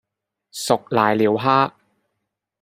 熟瀨尿蝦